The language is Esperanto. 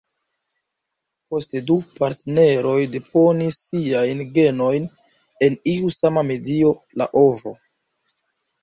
Poste, du partneroj deponis siajn genojn en iu sama medio, la ovo.